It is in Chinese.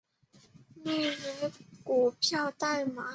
内为股票代码